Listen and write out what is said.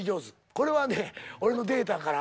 これはね俺のデータから。